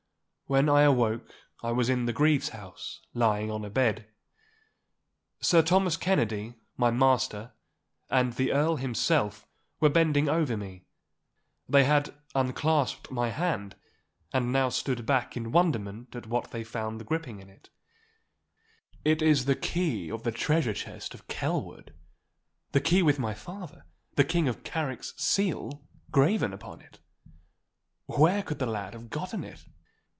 When I awoke I was in the Grieve's house, lying on a bed. Sir Thomas Kennedy, my master, and the Earl himself were bending over me. They had unclasped my hand, and now stood back in wonderment at what they found gripped in it. 'It is the key of the treasure chest of Kelwood—the key with my father, the King of Carrick's seal graven upon it! Where could the lad have gotten it?